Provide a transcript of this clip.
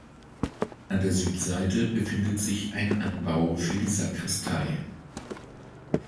An der Südseite befindet sich ein Anbau für die Sakristei.